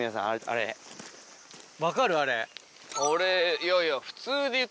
いやいや。